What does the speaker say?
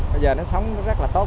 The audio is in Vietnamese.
bây giờ nó sống như thế này